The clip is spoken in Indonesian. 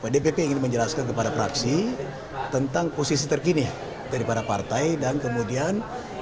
dpp ingin menjelaskan kepada fraksi tentang posisi terkini daripada partai dan kemudian